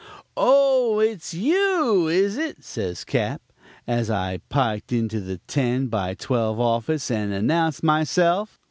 "'Oh, it's you, is it?' says Cap., as I piked into the ten by twelve office and announced myself.